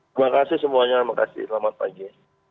terima kasih semuanya terima kasih selamat pagi